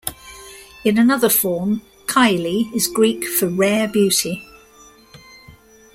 In another form, "Kailey" is Greek for "rare beauty".